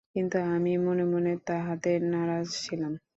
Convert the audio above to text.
কিন্তু আমি মনে মনে তাহাতে নারাজ ছিলাম।